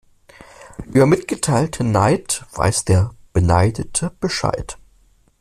Über mitgeteilten Neid weiß der Beneidete Bescheid.